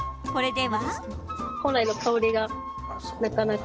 これでは。